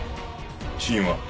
死因は？